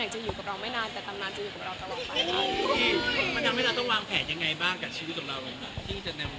มันทำให้เราต้องวางแผนยังไงบ้างกับชีวิตสำหรับที่จะในวงการบังเทิง